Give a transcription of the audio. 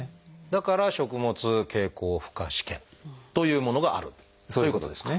だから食物経口負荷試験というものがあるということですか？